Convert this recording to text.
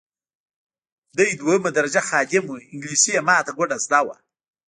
دی دوهمه درجه خادم وو انګلیسي یې ماته ګوډه زده وه.